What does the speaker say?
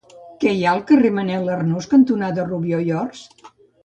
Què hi ha al carrer Manuel Arnús cantonada Rubió i Ors?